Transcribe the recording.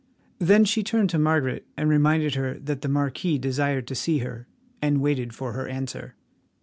Then she turned to Margaret and reminded her that the marquis desired to see her, and waited for her answer.